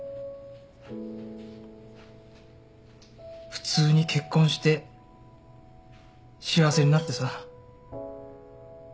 普通に結婚して幸せになってさ。